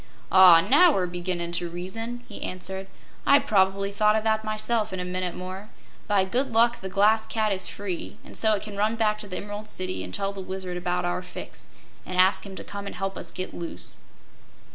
"Ah, now we're beginnin' to reason," he answered. "I'd probably thought o' that, myself, in a minute more. By good luck the Glass Cat is free, an' so it can run back to the Emerald City an' tell the Wizard about our fix, an' ask him to come an' help us get loose."